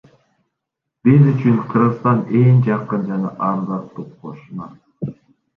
Биз үчүн Кыргызстан эң жакын жана ардактуу кошуна.